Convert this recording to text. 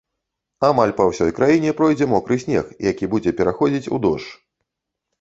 Амаль па ўсёй краіне пройдзе мокры снег, які будзе пераходзіць у дождж.